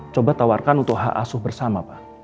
coba tawarkan untuk hak asuh bersama pak